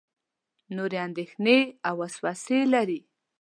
نورې اندېښنې او وسوسې لري.